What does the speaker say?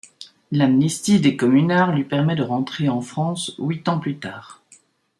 L'amnistie des communards lui permet de rentrer en France huit ans plus tard.